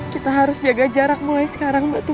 kita harus jaga jarak mulai sekarang mbak tuy